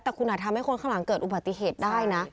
แต่คุณอาจทำให้คนข้างหลังเกิดอุบัติเหตุได้นะ